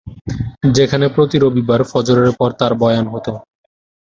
যেখানে প্রতি রবিবার ফজরের পর তার বয়ান হত।